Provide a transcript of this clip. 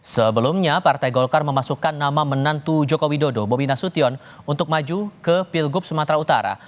sebelumnya partai golkar memasukkan nama menantu joko widodo bobi nasution untuk maju ke pilgub sumatera utara